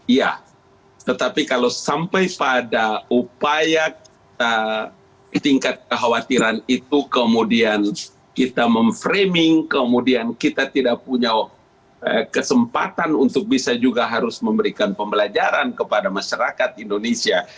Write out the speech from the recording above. iya tetapi kalau sampai pada upaya tingkat kekhawatiran itu kemudian kita memframing kemudian kita tidak punya kesempatan untuk bisa juga harus memberikan pembelajaran kepada masyarakat indonesia